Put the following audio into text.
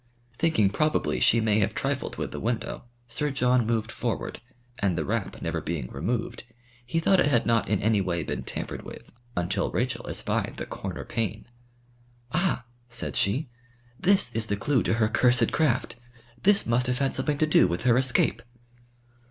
Thinking probably she may have trifled with the window, Sir John moved forward, and the wrap never being removed, he thought it had not in any way been tampered with until Rachel espied the corner pane. "Ah!" said she, "this is the clue to her cursed craft. This must have had something to do with her escape."